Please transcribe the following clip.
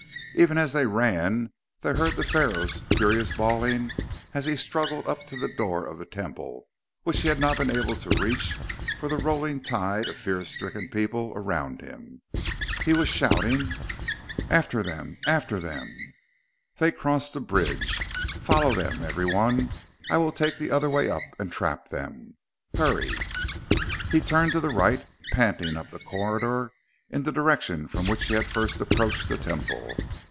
Even as they ran, they heard the Pharaoh's furious bawling as he struggled up to the door of the Temple, which he had not been able to reach for the rolling tide of fear stricken people around him. He was shouting: "After them after them! They cross the bridge! Follow them, everyone! I will take the other way up and trap them! Hurry!" He turned to the right, panting up the corridor in the direction from which he had first approached the Temple.